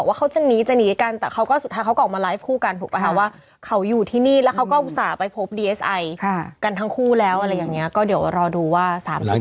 เวลาใส่ไทยสดกว่าไทยใหม่กว่าเดิม